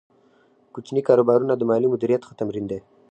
کوچني کاروبارونه د مالي مدیریت ښه تمرین دی۔